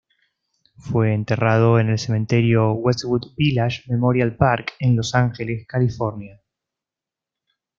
Fue enterrado en el Cementerio Westwood Village Memorial Park en Los Ángeles, California.